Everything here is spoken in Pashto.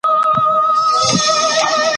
په وطن كي عدالت نسته ستم دئ `